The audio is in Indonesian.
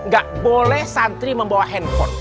gak boleh santri membawa handphone